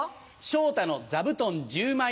昇太の座布団１０枚